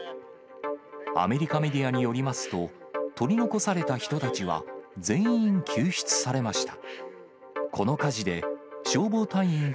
アメリカメディアによりますと、取り残された人たちは全員救出されました。